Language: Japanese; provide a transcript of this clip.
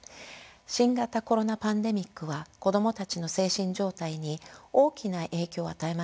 新型コロナパンデミックは子供たちの精神状態に大きな影響を与えました。